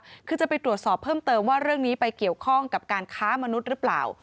คือจะไปตรวจสอบเพิ่มเติมว่าเรื่องนี้ไปเกี่ยวข้องกับการค้ามนุษย์หรือเปล่า